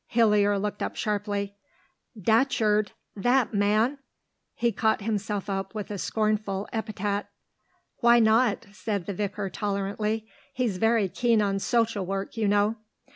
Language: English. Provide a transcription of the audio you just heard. Hillier looked up sharply. "Datcherd! That man!" He caught himself up from a scornful epithet. "Why not?" said the vicar tolerantly. "He's very keen on social work, you know."